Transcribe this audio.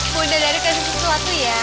mudah dari kasih sesuatu ya